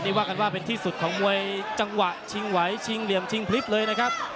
นี่ว่ากันว่าเป็นที่สุดของมวยจังหวะชิงไหวชิงเหลี่ยมชิงพลิบเลยนะครับ